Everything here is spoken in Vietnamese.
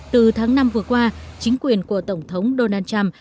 từ tháng năm vừa qua chính quyền của tổng thống donald trump